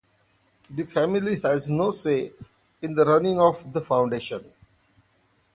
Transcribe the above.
The family has no say in the running of the Foundation.